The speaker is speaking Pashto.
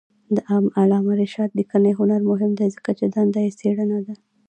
د علامه رشاد لیکنی هنر مهم دی ځکه چې دنده یې څېړنه ده.